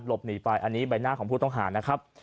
หลบหนีไปอันนี้ใบหน้าของผู้ต้องหานะครับ